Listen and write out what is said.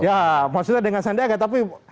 ya maksudnya dengan sandiaga tapi